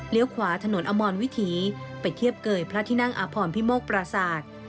ขวาถนนอมรวิถีไปเทียบเกยพระที่นั่งอพรพิโมกปราศาสตร์